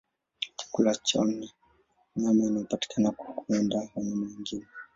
Chakula chao ni nyama inayopatikana kwa kuwinda wanyama wengine.